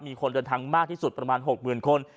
มีคนเดินทางมากที่สุดประมาณ๖๐๐๐คน